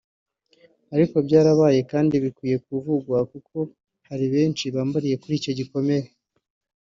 ariko byarabaye kandi bikwiye kuvugwa kuko hari benshi bambariye kuri icyo gikomere